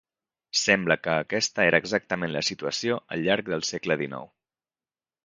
Sembla que aquesta era exactament la situació al llarg del segle dinou.